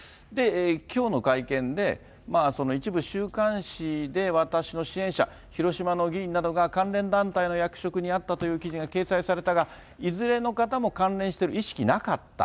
きょうの会見で、一部週刊誌で、私の支援者、広島の議員などが関連団体の役職にあったという記事が掲載されたが、いずれの方も関係してる意識なかった。